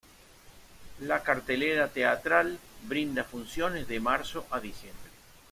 La cartelera teatral brinda funciones de marzo a diciembre.